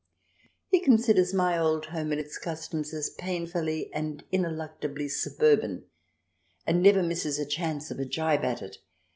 He considers my old home and its customs as painfully and ineluctably suburban, and never misses a chance of a gibe at it.